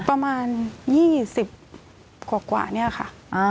ประมาณ๒๐กว่านี่แหละค่ะ